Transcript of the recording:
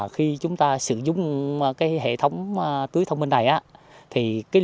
khi chúng ta sử dụng hệ thống tưới thông minh này